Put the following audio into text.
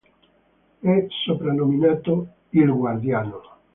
È soprannominato “il guardiano”.